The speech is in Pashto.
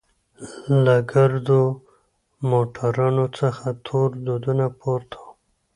له ګردو موټرانوڅخه تور دودونه پورته وو.